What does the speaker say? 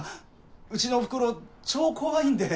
うちのお袋超怖いんで。